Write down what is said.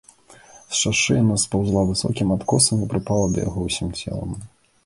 З шашы яна спаўзла высокім адкосам і прыпала да яго ўсім целам.